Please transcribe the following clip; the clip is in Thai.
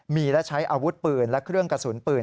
มีและใช้อาวุธปืนและเครื่องกระสุนปืน